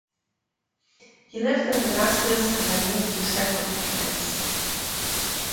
He lived in Damascus and then moved to settle in Paris.